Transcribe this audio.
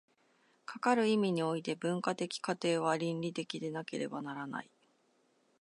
かかる意味において、文化的過程は倫理的でなければならない。